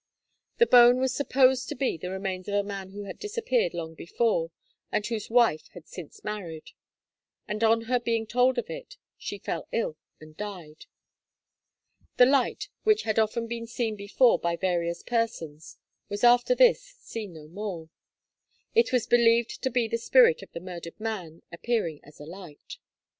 The bone was supposed to be the remains of a man who had disappeared long before, and whose wife had since married; and on her being told of it, she fell ill and died. The light, which had often been seen before by various persons, was after this seen no more. It was believed to be the spirit of the murdered man, appearing as a light.